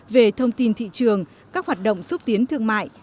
về thông tin thị trường các hoạt động xúc tiến thương mại